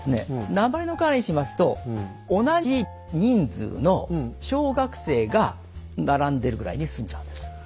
鉛の瓦にしますと同じ人数の小学生が並んでるぐらいに済んじゃうんです。